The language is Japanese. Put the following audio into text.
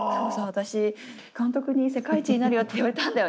私監督に「世界一になるよ」って言われたんだよねって。